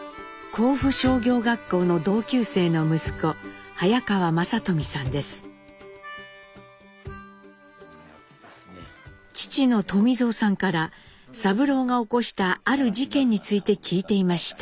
甲府商業学校の父の富造さんから三郎が起こしたある事件について聞いていました。